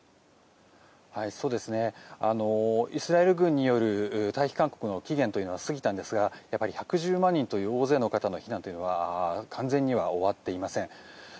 イスラエル軍による退避勧告の期限というのは過ぎたんですが１１０万人という大勢の方の避難は完全には終わっていません。